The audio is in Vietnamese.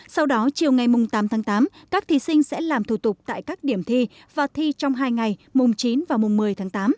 sau đó chiều ngày tám tháng tám các thí sinh sẽ làm thủ tục tại các điểm thi và thi trong hai ngày mùng chín và mùng một mươi tháng tám